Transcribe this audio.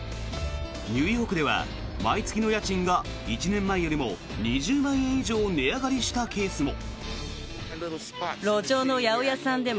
ニューヨークでは毎月の家賃が１年前よりも２０万円以上値上がりしたケースも。